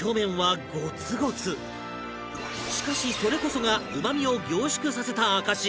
しかしそれこそがうまみを凝縮させた証し